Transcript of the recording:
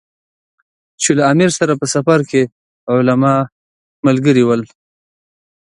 چې له امیر سره په سفر کې علما ملګري ول.